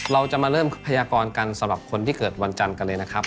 เราจะมาเริ่มพยากรกันสำหรับคนที่เกิดวันจันทร์กันเลยนะครับ